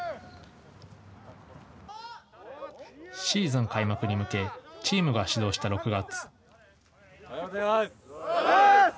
シーズン開幕に向けチームが指導した６月。